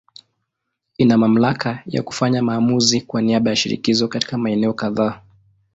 Ina mamlaka ya kufanya maamuzi kwa niaba ya Shirikisho katika maeneo kadhaa.